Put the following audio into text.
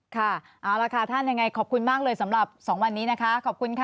ค่ะเอาละค่ะท่านยังไงขอบคุณมากเลยสำหรับ๒วันนี้นะคะขอบคุณค่ะ